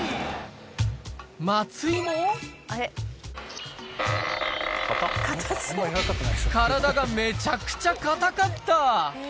松井も体がめちゃくちゃ硬かった！